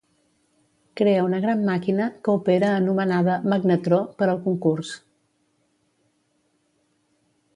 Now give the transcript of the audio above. Crea una gran màquina, que opera anomenada "Magnetró" per al concurs.